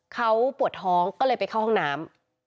เขาปวดท้องก็เลยไปเข้าห้องน้ำ